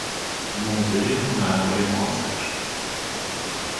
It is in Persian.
موزه هنرهای معاصر